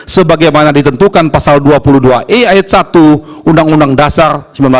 sebagaimana ditentukan pasal dua puluh dua e ayat satu undang undang dasar seribu sembilan ratus empat puluh lima